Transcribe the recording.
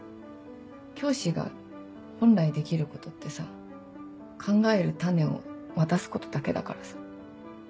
教師が本来できることってさ考える種を渡すことだけだからさ。